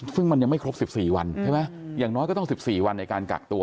ซึ่งมันยังไม่ครบ๑๔วันใช่ไหมอย่างน้อยก็ต้อง๑๔วันในการกักตัว